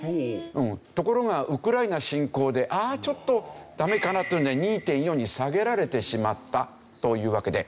ところがウクライナ侵攻でああちょっとダメかなっていうので２．４に下げられてしまったというわけで。